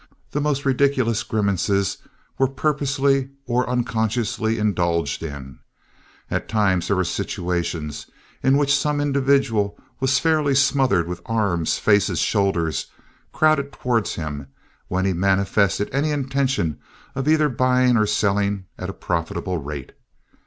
The most ridiculous grimaces were purposely or unconsciously indulged in. At times there were situations in which some individual was fairly smothered with arms, faces, shoulders, crowded toward him when he manifested any intention of either buying or selling at a profitable rate.